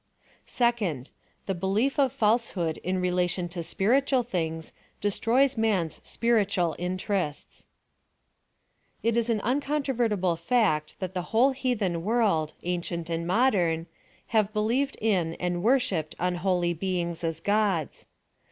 Second^ the belief of falsehood in relation to spir itual tilings J destroys 7nan''s spiritnal interests. It is an incontrovertible fact thai the whole hea« dien world, ancient and modern, have believed in PLAN OF SALVATION. 153 find worshipped unholy beings as gods.